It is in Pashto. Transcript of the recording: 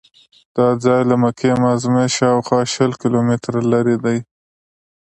دا ځای له مکې معظمې شاوخوا شل کیلومتره لرې دی.